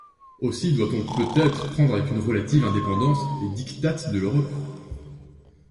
Aussi doit-on peut-être prendre avec une relative indépendance les diktats de l’Europe.